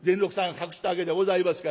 隠したわけでございますからね。